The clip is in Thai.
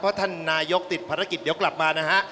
เพราะท่านนายกติดภารกิจเดี๋ยวกลับมานะฮะ